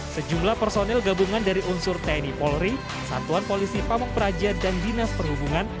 sejumlah personil gabungan dari unsur tni polri satuan polisi pamung praja dan dinas perhubungan